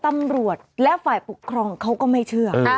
ตำรวจและฝ่ายปกครองเขาก็ไม่เชื่อ